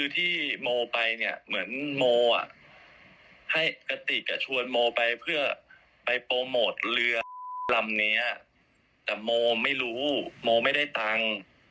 ทำเรือเป็นเที่ยวอะไรสักอย่าง